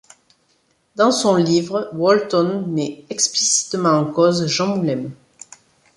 Dans son livre, Wolton met explicitement en cause Jean Moulin.